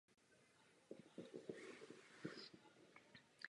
Pro mnoho lidí byl tento moment zlomovým v sérii.